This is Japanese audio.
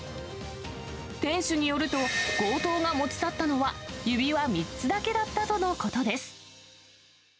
店主によると、強盗が持ち去ったのは、指輪３つだけだったとのことです。